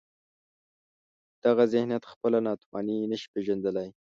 دغه ذهنیت خپله ناتواني نشي پېژندلای.